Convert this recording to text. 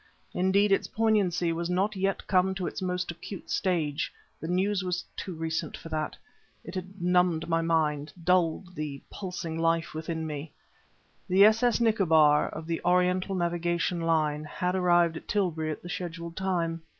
Indeed, its poignancy was not yet come to its most acute stage; the news was too recent for that. It had numbed my mind; dulled the pulsing life within me. The s.s._Nicobar_, of the Oriental Navigation Line, had arrived at Tilbury at the scheduled time.